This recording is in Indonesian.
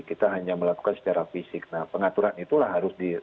kita hanya melakukan secara fisik nah pengaturan itulah harus di